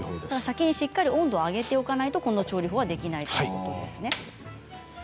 先にしっかりと温度を上げておかないとこの調理法はできないんですね。